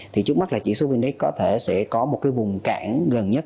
trước mắt là chỉ số vn index có thể sẽ có một vùng cản gần nhất